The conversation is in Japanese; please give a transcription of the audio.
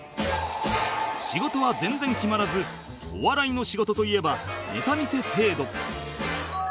仕事は全然決まらずお笑いの仕事といえばネタ見せ程度